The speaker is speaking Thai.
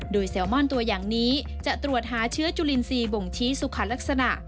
โดยเซลมอนตัวอย่างนี้จะตรวจหาเชื้อจุลินทรีย์บ่งชี้สุขลักษณะ